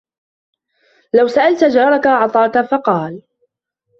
لَوْ سَأَلْتَ جَارَك أَعْطَاك ؟ فَقَالَ